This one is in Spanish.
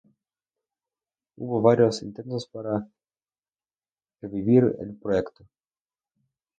Hubo varios intentos para revivir el proyecto.